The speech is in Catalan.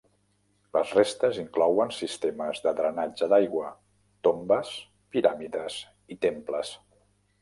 Les restes inclouen sistemes de drenatge d'aigua, tombes, piràmides i temples.